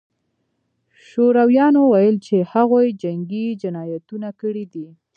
شورویانو ویل چې هغوی جنګي جنایتونه کړي دي